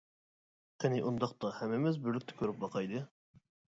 قېنى ئۇنداقتا ھەممىمىز بىرلىكتە كۆرۈپ باقايلى.